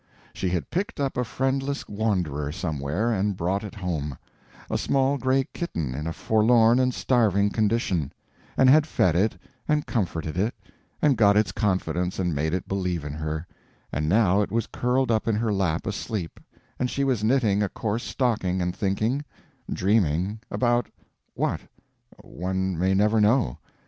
She had picked up a friendless wanderer somewhere and brought it home—a small gray kitten in a forlorn and starving condition—and had fed it and comforted it and got its confidence and made it believe in her, and now it was curled up in her lap asleep, and she was knitting a coarse stocking and thinking—dreaming—about what, one may never know.